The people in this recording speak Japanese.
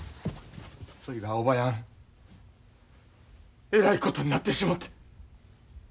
そいがおばやんえらいことになってしもて。